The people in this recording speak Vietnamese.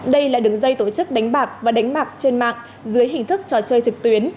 đây là đường dây tổ chức đánh bạc và đánh bạc trên mạng dưới hình thức trò chơi trực tuyến